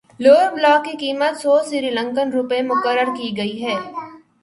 lower block کی قیمت سو سری لنکن روپے مقرر کی گئی ہے